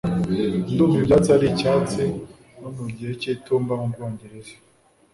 Ndumva ibyatsi ari icyatsi no mu gihe cy'itumba mu Bwongereza